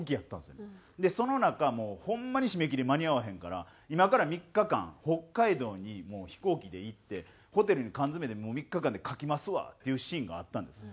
でその中もうホンマに締め切り間に合わへんから今から３日間北海道に飛行機で行ってホテルに缶詰めでもう３日間で書きますわっていうシーンがあったんです。